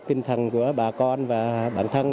tinh thần của bà con và bản thân